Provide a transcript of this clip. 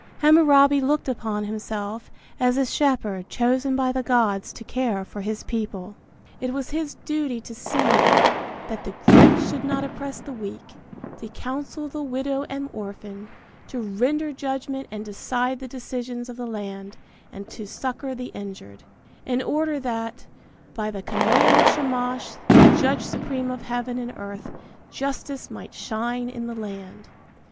Hammurabi looked upon himself as a shepherd chosen by the gods to care for his people. It was his duty to see "that the great should not oppress the weak, to counsel the widow and orphan, to render judgment and decide the decisions of the land, and to succor the injured," in order that "by the command of Shamash, the judge supreme of heaven and earth, justice might shine in the land."